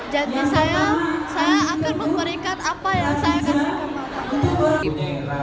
jadi saya akan memberikan apa yang saya kasihkan mama